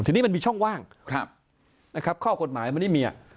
ทีนี้มันมีช่องว่างนะครับข้อกฎหมายมันไม่มี